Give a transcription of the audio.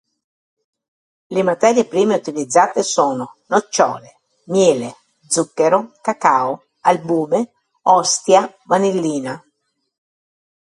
Le materie prime utilizzate sono: nocciole, miele, zucchero, cacao, albume, ostia, vanillina.